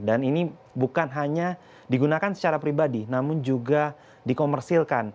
dan ini bukan hanya digunakan secara pribadi namun juga dikomersilkan